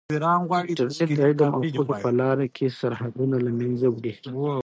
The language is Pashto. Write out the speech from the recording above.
انټرنیټ د علم او پوهې په لاره کې سرحدونه له منځه وړي.